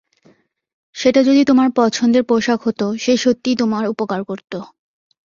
সেটা যদি তোমার পছন্দের পোশাক হতো, সে সত্যিই তোমার উপকার করতো।